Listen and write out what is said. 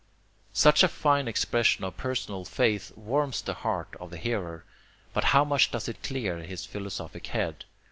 Such a fine expression of personal faith warms the heart of the hearer. But how much does it clear his philosophic head?